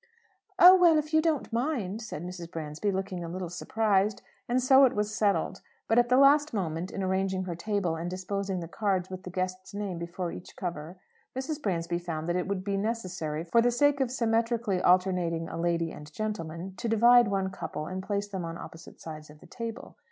"Oh, well, if you don't mind," said Mrs. Bransby, looking a little surprised. And so it was settled. But at the last moment, in arranging her table and disposing the cards with the guest's name before each cover, Mrs. Bransby found that it would be necessary, for the sake of symmetrically alternating a lady and gentleman, to divide one couple, and place them on opposite sides of the table.